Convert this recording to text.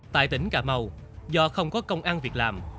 tại tỉnh cà mau do không có công ăn việc làm